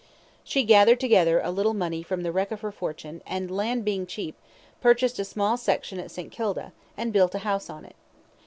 She gathered together a little money from the wreck of her fortune, and land being cheap, purchased a small "section" at St. Kilda, and built a house on it.